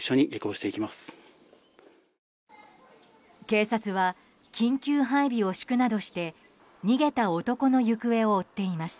警察は緊急配備を敷くなどして逃げた男の行方を追っています。